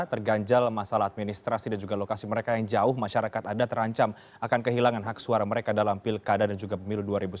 terganjal masalah administrasi dan juga lokasi mereka yang jauh masyarakat adat terancam akan kehilangan hak suara mereka dalam pilkada dan juga pemilu dua ribu sembilan belas